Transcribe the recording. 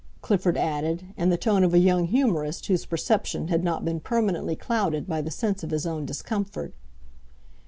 Clifford added, in the tone of a young humorist whose perception had not been permanently clouded by the sense of his own discomfort.